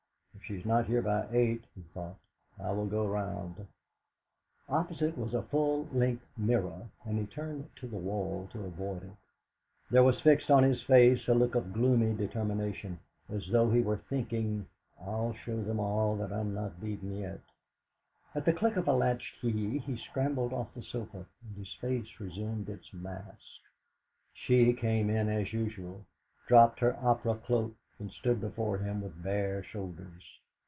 '.f she is not here by eight,' he thought, 'I will go round.' Opposite was a full length mirror, and he turned to the wall to avoid it. There was fixed on his face a look of gloomy determination, as though he were thinking, 'I'll show them all that I'm not beaten yet.' At the click of a latch key he scrambled off the sofa, and his face resumed its mask. She came in as usual, dropped her opera cloak, and stood before him with bare shoulders.